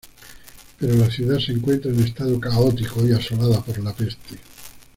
Pero la ciudad se encuentra en estado caótico, y asolada por la peste.